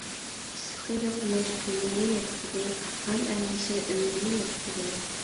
ئىسسىقى يوق مەش كۆمۈرنى يوقىتىدۇ، غەم-ئەندىشە ئۆمۈرنى يوقىتىدۇ.